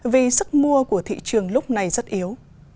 vì sức mua của thị trường lúc này rất yếu